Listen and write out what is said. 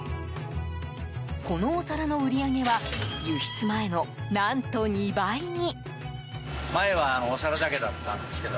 このお皿の売り上げは輸出前の何と２倍に。